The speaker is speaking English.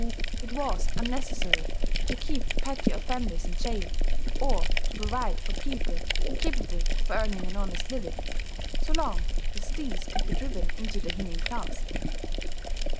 It was unnecessary to keep petty offenders in jail, or to provide for people incapable of earning an honest living, so long as these could be driven into the hinin class.